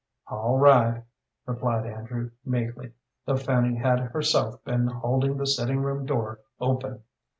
"All right," replied Andrew, meekly, though Fanny had herself been holding the sitting room door open.